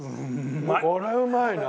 長嶋：これ、うまいな！